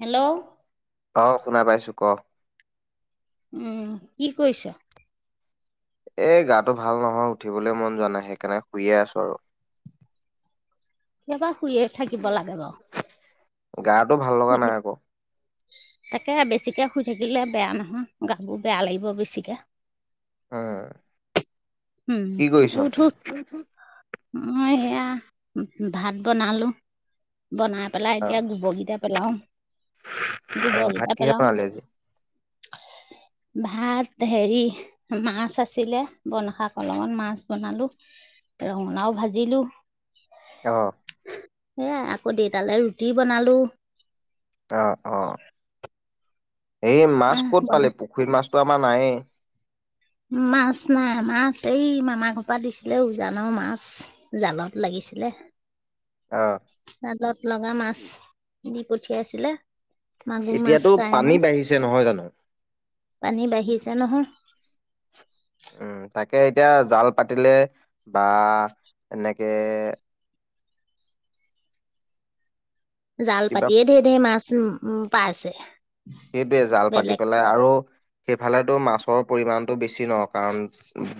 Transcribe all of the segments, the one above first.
Hello অ, শুনা পাইছো ক। উম, কি কৰিছ। এ গাটো ভাল নহয় উঠিবলৈ মন যোৱা নাই সেইকাৰণে শুইে আছো আৰু। কেইবা শুইে থাকিব লাগে বাৰু। গটো ভাল লগা শুই নাই থাক আকৌ। তাকে বেছিকে শুই থাকিলে বেয়া নহয় গাবোৰ বেয়া লাগিব বেছিকে। উম [inaudible] উম! কি কৰিছ অ উঠ উঠ অ সেয়া ভাত বনালো বনাই পেলাই এতিয়া গোবৰকেইটা অ গোবৰ ভাত কেইটা কিহে পেলাও বনালি আজি [unintelligible] ভাত হেৰি মাছ আছিলে বনশাক লগত মাছ বনালো [unintelligible] ৰঙলাও ভাজিলো অহ, এ আকৌ দেউতালৈ ৰুটি বনালো অ আহ [unintelligible] এই মাছ আহ ক'ত বনাই পালে পুখুৰীৰ মাছতো আমাৰ নাই মাছ নাই মাছ এই মামা ঘৰপা দিছিলে উজানৰ মাছ জালত লাগি ছিলে অ জালত লগা মাছ কিনি পঠিয়াইছিলে মাগুৰ মাছ এতিয়াতো কাই পানী মাছ বাঢ়িছে নহয় জানো পানী বাঢ়িছে নহয় উম তাকে এতিয়া জাল পাতিলে বা এনেকে জাল কিবা পাতিয়ে ঢেৰ ধেৰ মাছ উ পাইছে [unintelligible] সেইটোৱে জাল পাতি বেলেগ পেলাই আৰু সেইফালে‌ টো মাছৰ পৰিমমানতটো বেছি ন কাৰণ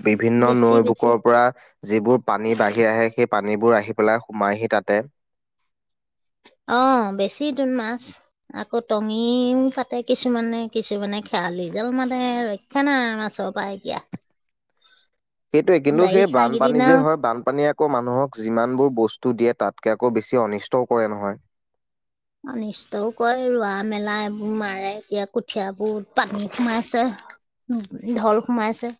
বিভিন্ন বেছি নৈ বেছি বুকৰৰ পৰা যিবোৰ পানী বাঢ়ি আহে সেই পানীবোৰ আহি পেলাই সোমাইহি তাতে অ বেছি [inaudible] আকৌ টঙিও পাতে কিছুমানে কিছুমানে খেৱালি জাল মানে ৰক্ষা না মাছক বাইকিয়া সেইটোৱে কিন্তু সেই বানপানী যে হয় বানপানীয়ে। আকৌ মানুহক যিমানবোৰ বস্তু দিয়ে তাতকৈ আকৌ বেছি অনিষ্টও কৰে নহয় অনিষ্টও কয় ৰোৱা মেলা এইবোৰ মাৰে এতিয়া কঠিয়াবোৰ পানী সোমাইছে ঢল সোমাইছে।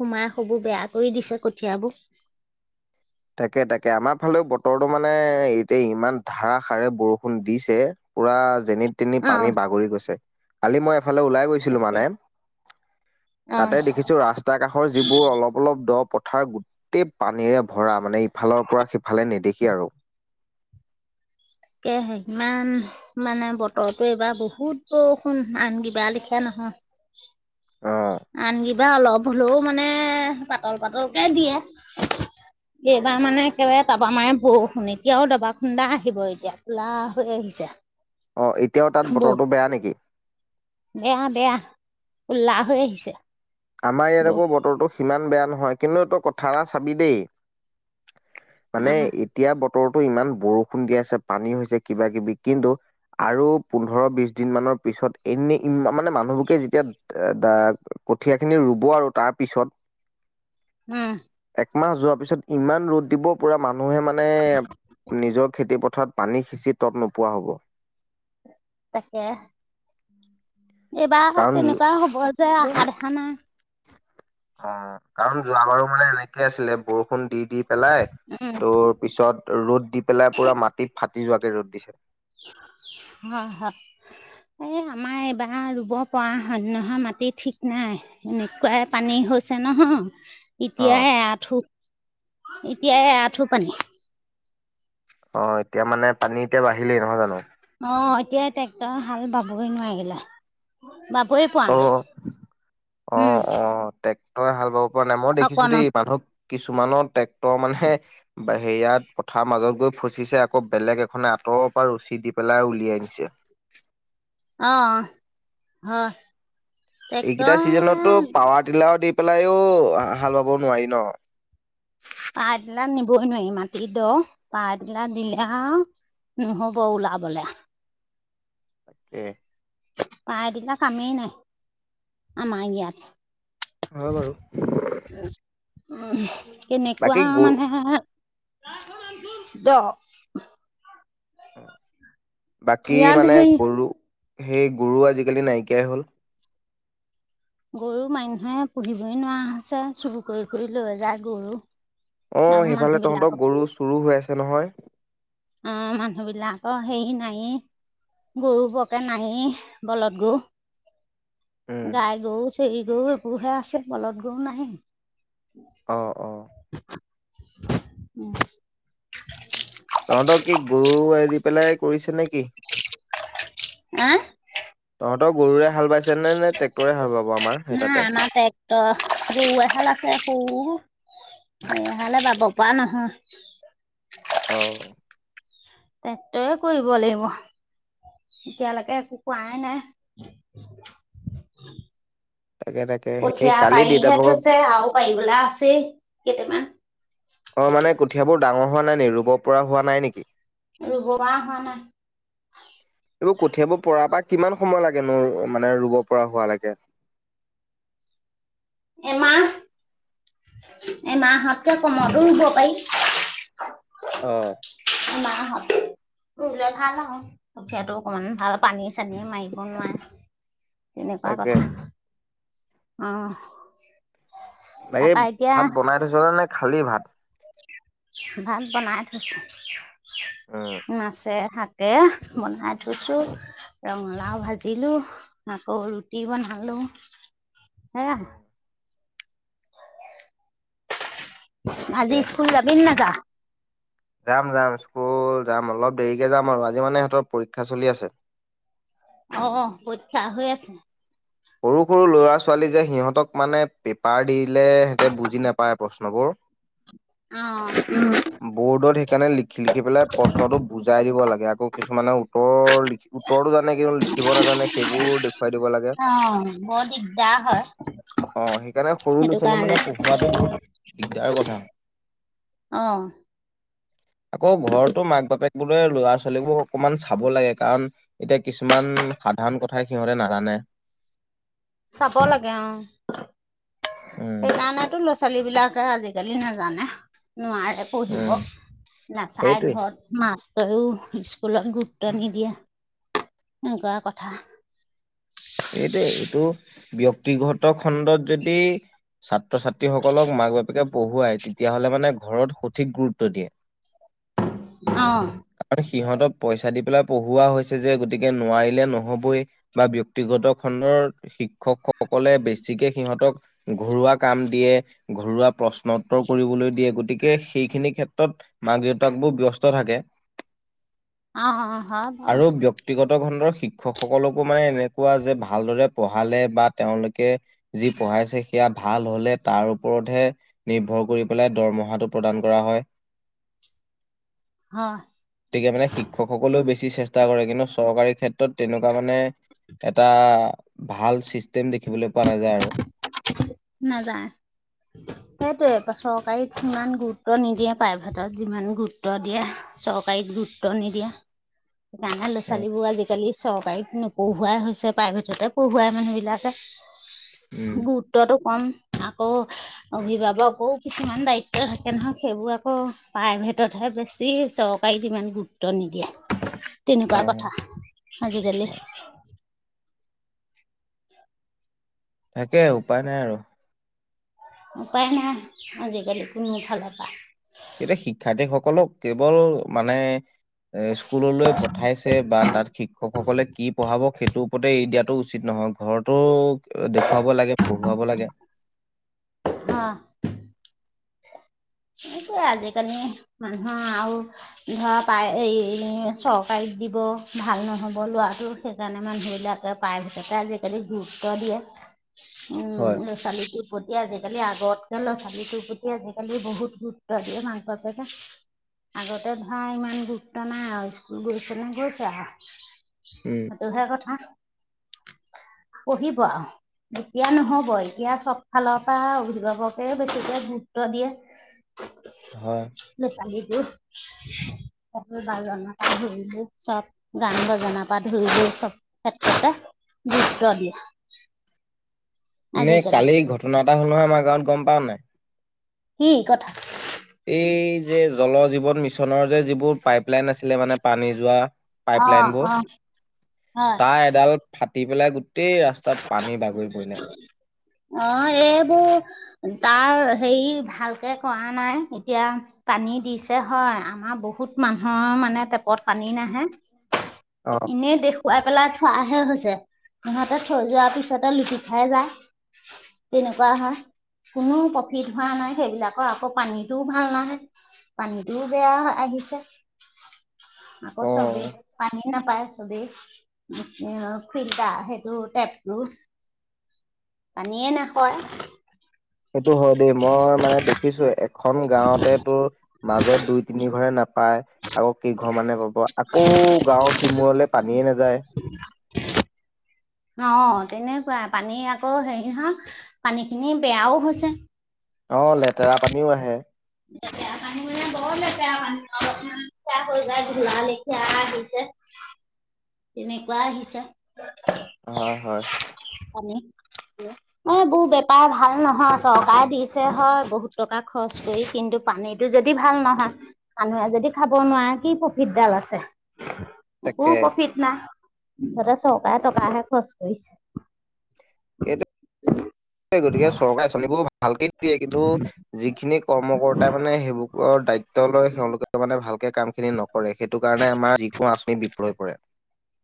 সোমাই সবোৰ বেয়া কৰি দিছে কঠিয়াবোৰ তাকে তাকে আমাৰ ফালেও বতৰটো মানে এতিয়া ইমান ধাৰাসাৰে বৰষুণ দিছে। পোৰা যেনি তেনি অ পানী বাগৰি গৈছে কালি মই এফালে ওলাই গৈছিলো মানে অ তাতে দেখিছো ৰাস্তা কাষৰ যিবোৰ অলপ অলপ দ প পথাৰ গোটেই পানীৰে ভৰা মানে ইফালৰ পৰা সিফালে নেদেখি সি আৰু কে ইমান মানে বতৰো এইবাৰ বহুত বৰষুণ আন কিবা লেখিয় নহয়। [inaudible] আহ আন কিবা অলপ হ'লেও মানে পাতল পাতলকে দিয়ে এইবাৰ মানে একেবাৰে তাৰাবা মানে বৰষুণ এতিয়াও দাবা খুন্দা আহিব এতিয়া কোলা হৈ আহিছে অ', এতিয়াও তাত বৌ বতৰটো বেয়া নেকি? বেয়া বেয়া উল্লাহ হৈ আহিছে। আমাৰ ইয়াত বৌ আকৌ বতৰটো সিমান বেয়া নহয় কিন্তু এই তই কথা এটা চাবি দেই মানে উম এতিয়া বতৰতো ইমান বৰষুণ দি আছে পানী হৈছে কিবা কিবি কিন্তু আৰু পোন্ধৰ বিশ দিন মানৰ পিছত এনে মানে মানুহবোৰকে যেতিয়া কঠিয়াখিনি ৰুব আৰু তাৰপিছত হোম। একমাহ যোৱাৰ পিছত ইমান ৰ'দ দিব পুৰা মানুহে মানে নিজৰ খেতি পথাৰ পানী সিঁচি তত নোপোৱা হ'ব। তাকে এইবাৰ কাৰণ তেনেকুৱা হ'ব যে আশা দেখা নাই অ কাৰণ যোৱাবাৰো মানে এনেকে আছিলে বৰষুণ দি দি পেলাই উম তোৰ পিছত ৰ'দ দি পেলাই পুৰা মাটিত ফাটি যোৱাকে ৰ'দ দিছে হা হা এ আমাৰ এইবাৰ ৰুব পৰা হয় নহয় মাটি ঠিক নাই এনেকুৱাই পানী থৈছে নহ অ এতিয়াই আঁঠু এতিয়াই আঁঠু পানী অ এতিয়া মানে পানী এতিয়া বাঢ়িলেই নহয় জানো অ এতিয়া ট্ৰেক্টৰ হাল বাবই নোৱাৰিলে। বাবই পোৱা অ অ নাই উম! তই হাল বাব পৰা নাই মই দেখিছো অকণো দেই মানুহক কিছুমানৰ ট্ৰেক্টৰ মানে বা হেয়াত পথাৰ মাজত গৈ ফচিছে আকৌ বেলেগ এখনে তৰ পৰা ৰৰুচি দি পেলাই উলিয়াই নিছে অ অ হয় এইকেইটা ছিজনতো ট্ৰেক্টৰ পাৱাৰ টিলাৰ দি পেলাইও হাল বাব নোৱাৰি ন পাৰ দিলেই নিবই নোৱাৰি মাটিত দ পা দিলে আ উহ' বৌ ওলা বলা তাকে পাৰ দিপা কমেই নাই আমাৰ ইয়াত হয় বাৰু উ এনেকুৱা বাকী গ মানে দহ বাকী ইয়াত মানে সেই গৰু সেই গৰু আজিকালি নাইকিয়াই হ'ল গৰু মানুহে পুহিবই নোৱাৰা হৈছে চুৰু কৰি কৰি লৈ যায় গৰু অ আৰু মানুহ সেইফালে বিলাকক তহঁতক গৰু চুৰ হৈ আছে নহয়। অ মানুহ বিলাকৰ সেই নাই গৰু বৰকে নাই বলত গৰু উম। গাই গৰু চেৰি গৰু এইবোৰহে আছে বলত গৰু নাই অ অ উম! তহঁতৰ কি গৰু এৰি পেলাই কৰিছে নে কি? হে? তহঁতৰ গৰুৰে হাল বাইছেনে নে ট্ৰেক্টৰে হাল বাব আমাৰ সেই তাতে? তাকে ক? এহালে বাব পোৱা নহয়? অ! টেক্টৰে কৰিব লাগিব। এতিয়ালৈকে একো কোৱাই নাই। তাকে তাকে সেই কঠীয়া কালি দেউতা পাৰিহে ভাগক থৈছে আৰু পাৰিবলৈ আছেই কেইটামান। অ মানে কঠিয়াবোৰ ডাঙৰ হোৱা নাই নি ৰুব পৰা হোৱা নাই নেকি? ৰুব পৰা হোৱা নাই এইবোৰ কঠিয়াব পৰা পৰা কিমান? সময় লাগে নোৰ মানে ৰুব পৰা হোৱা লৈকে এমাহ এ মাহঁতকে কমতো ৰুব পাৰি। অ। এই ভাল হ মাহঁত কঠিয়াতটো অকমান ভাল পানী। চানীয়ে মাৰিব নোৱাৰে তেনেকুৱা তাকে কথা। অ। এই তাৰপা এতিয়া ভাত বনাই থৈছ ন নে খালী ভাত? ভাত বনাই থৈছোঁ উম মাছে শাক। তাকে বনাই থৈছো। ৰঙালাও ভাজিলো আকৌ ৰুটি বনালো। হে উম [unintelligible] আজি স্কুল যাবিনে নেযাওঁ। [unintelligible] যাম-যাম স্কুল যাম অলপ দেৰিকে যাম আৰু আজি মানে সিহঁতৰ পৰীক্ষা চলি আছে। অ' পৰীক্ষা হৈ আছে। সৰু, সৰু ল'ৰা ছোৱালী যে সিহঁতক মানে পেপাৰ দি লে সিহঁতে বুজি নাপায় প্ৰশ্নবোৰ। অ বৰ্ডত সেইকাৰণে লিখি লিখি পেলাই প্ৰশ্নতটো বুজাই দিব লাগে। আকৌ কিছুমানে উত্তৰ লীখি উত্তৰতো জানে কিন্তু লিখিব নাজানে সেইবোৰ দেখুৱাই দিব লাগে। অ বৰ দিগদাৰ হয়। অ সেইকাৰণে সৰু ল'ৰা সেইটো ছোৱালী কাৰণে মানে পঢ়োৱাটো বহুত দিগদাৰ কথা। আহ। আকৌ ঘৰতো মাক বাপেক বোলে ল'ৰা ছোৱালীবোৰ অকমান চাব লাগে। কাৰণ এতিয়া কিছুমান সাধাৰণ কথাই সিহঁতে নাজানে। [inaudible] চাব লাগে অ। উম সেইকাৰণেটো ল- [unintelligible] ল' ছোৱালী বিলাকে আজিকালি নাজানে। নোৱাৰে উম পঢ়িব নাচাই সেইটোৱে ঘৰত মাছ তাইও স্কুলত গুৰুত্ব নিদিয়ে এনেকুৱা কথা। এইটোৱে এইটো ব্যক্তিগত খণ্ডত যদি ছাত্ৰ ছাত্ৰীসকলক মাক - বাপেকে পঢ়ুৱাই, তেতিয়াহ'লে মানে ঘৰত সঠিক গুৰুত্ব দিয়ে। অ কাৰণ সিহঁতক পইচা দি পেলাই- পঢ়োৱা হৈছে যে, গতিকে নোৱাৰিলে নহ'বই বা- ব্যক্তিগত খণ্ডৰ শিক্ষকসকলে বেছিকে সিহঁতক ঘৰুৱা কাম দিয়ে। ঘৰুৱা প্ৰশ্ন উত্তৰ কৰিবলৈ দিয়ে গতিকে সেইখিনি ক্ষেত্ৰত মাক দেউতাক বোৰ ব্যস্ত থাকে। আহ অ হয় বাও আৰু ব্যক্তিগত খণ্ডৰ শিক্ষকসকলকো মানে এনে কোৱা যে ভালদৰে পঢ়ালে বা তেওঁলোকে যি পঢ়াইছে সেয়া ভাল হ'লে তাৰ ওপৰত। হে নিৰ্ভৰ কৰি পেলাই দৰমহাটো প্ৰদান কৰা হয়। [inaudible] হয় গতিকে মানে শিক্ষকসকলেও বেছি চেষ্টা কৰে কিন্তু চৰকাৰী ক্ষেত্ৰত তেনেকুৱা মানে এটা ভাল চিষ্টেম দেখিবলৈ পোৱা নাযায়। আৰু নাযায় সেইটোয়ে চৰকাৰীত সিমান গুৰুত্ব নিদিয়ে। প্ৰাইভেটত যিমান গুৰুত্ব দিয়ে। ককাইত গুৰুত্ব নিদিয়া। ডাঙৰ ল' উম ছোৱালী বোৰ আজিকালি চৰকাৰীত নপঢ়ুৱাই হৈছে প্ৰাইভেটতে পঢ়ুৱাই মানুহ াকে গ উম, [unintelligible] কম আকৌ অভিভাৱকো কিছুমান দায়িত্ব থাকে নহয় সেইবোৰ আকৌ পায়। ভিতত বেছি হৈছে, চৰকাৰীত ইমান গুৰুত্ব নিদিয়ে। তেনেকুৱা হয় হয় কথা আজিকালি। হয়। তাকে উপায় নাই আৰু। উপায় নাই আজিকালি কোন ফালৰ পৰা। এতিয়া শিক্ষাৰ্থীসকলক কেৱল মানে এ'স্কুললৈ পঠাইছে বা তাত শিক্ষকসকলে কি পঢ়াব সেইটো পদে এৰি দিয়াতো উচিত নহয় ঘৰতো দেখুৱাব লাগে পঢ়ূৱাব লাগে। অ। সেনেকুৱাই, আজিকালি মানুহৰ আৰু ধৰা পায় এই চৰকাৰীক দিব। ভাল নহব লোৱাটো সেইকাৰণে মানুহ বিলাকে প্ৰাইভেটতে আজিকালি গুৰুত্ব দিয়ে। হয় উম ল'ৰা ছোৱালীটোৰ প্ৰতি আজিকালি আগতকে ল'ৰা ছোৱালীটোৰ প্ৰতি আজিকালি বহুত গুৰুত, তদে ন পাৰকে [unintelligible] আগতে ধৰা ইমান গুৰুত্ব নাই আৰু স্কুল গৈছেনে গৈছে। উম সেইটোহে কথা। পঢ়িব আৰু এতিয়া নহ'ব এতিয়া চব ফালৰ পৰা অভিভাৱকে বেছিকে। উত দিয়া হয় [inaudible] সেই চালীটো। স বাজনা পা ধুইলো চব গান বজনা পা ধুইলো চব ক্ষেত্ৰতে। [unintelligible] নে আজিকালি কালি ঘটনা এটা হ'ল নহয় আমাৰ গাঁৱত গম পাওঁ নাই। কি কথা? এই যে জল জীৱন মিছনৰ যে যিবোৰ পাইপলাইন আছিলে মানে পানী যোৱা অ পাইপলাইনবোৰ। অ হয় তাৰ এডাল ফাটি পেলাই গোটেই ৰাস্তাত পানী বাগৰি পৰিলে। অ এইবোৰ তাৰ হেৰি ভালকে কৰা নাই এতিয়া। পানী দিছে হয়, আমাৰ বহুত মানুহৰ মানে টেপত পানী নাহে। অ ইনে দেখো। খুৱাই পেলাই থোৱাহে হৈছে সিহঁতে থৈ যোৱাৰ পিছতে লুটি খাই যায়। তেনেকুৱা হয়। কোনো প্ৰফিট হোৱা নাই সেইবিলাকৰ আকৌ পানীটোও ভাল নাহে। পানীটোও বেয়া আহিছে, আকৌ অ চবেই পানী নাপায়। চবে ফিল্টাৰ, সেইটো টেপটো। পানীয়ে নাই খোৱা। সেইটো হয় দেই মই মানে দেখিছোঁ এখন গাঁৱতে তোৰ মাজত দুই তিনি ঘৰে নাপ- পাই আকৌ কি ঘৰ মানে পাব আকৌ গাঁৱৰ সিমূৰলে পানীয়ে নেযায়। অ তেনেকুৱাই পানী আকৌ হেৰি হা পানী খিনি বেয়াও হৈছে। অ লেতেৰা পানীও আহে। লেপেৰা পানী বৰ লেপেৰা পানী হৈ যায় ঢলা লেখিয়ছে [unintelligible] তেনেকুৱা আহিছে। হয় হয় হেলোঁ, অ বৌ বেপ [unintelligible] চৰকাৰ ভাল নহয় চৰকাৰে দিছে হয় বহুত টকা খৰচ কৰি কিন্তু পানীটো যদি ভাল নহয়। মানুহে যদি খাব নোৱাৰে কি প্ৰফিট ডাল আছে? একো তাকে প্ৰফিট সিহতে চৰকাৰে টকাহে খৰচ কৰিছে। এইটো [inaudible] গতিকে চৰকাৰী আঁচনিবোৰ ভাল। ভালকে দিয়ে কিন্তু যিখিনি কৰ্মকৰ্তা মানে সেইবোৰত। তেওঁল তেওঁলোকে মানে ভাল। কামখিনি নকৰে সেইটো কাৰণে আমাৰ যিকোনো আঁচনি বিপ্ৰ হৈ পৰে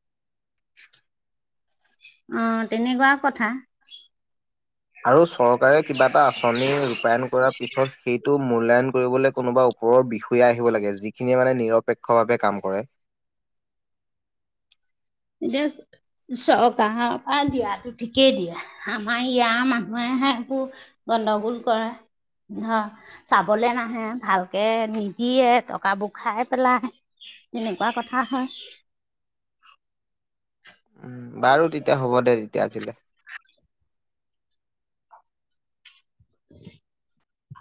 [inaudible] অ তেনেকুৱা কথা। আৰু চৰকাৰে কিবা এটা আঁচনি ৰূপায়ণ কৰাৰ পিছত, সেইটো মূল্যায়ন। কৰিবলৈ কোনোবা ওপৰৰ বিষয়া আহিব লাগে। যিখিনিয়ে মানে নিৰপেক্ষভাৱে কাম কৰে। [unintelligible] এতিয়া চৰকাৰৰ পৰা দিয়াটো ঠিকেই দিয়ে, আমাৰ ইয়াৰ মানুহে হে একো গণ্ডগোল কৰা ন চাবলে নাহে, ভালকে নিদিয়ে, টকাবোৰ খাই পেলাই। তেনেকুৱা কথা হয়। উম, বাৰু তেতিয়া হ'ব দে তেতিয়া আজিলে। উ।